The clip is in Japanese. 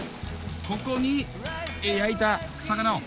ここに焼いた魚を。